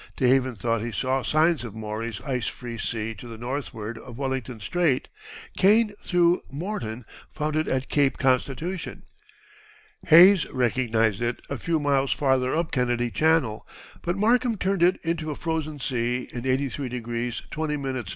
DeHaven thought he saw signs of Maury's ice free sea to the northward of Wellington Strait, Kane through Morton found it at Cape Constitution, Hayes recognized it a few miles farther up Kennedy Channel, but Markham turned it into a frozen sea in 83° 20´ N.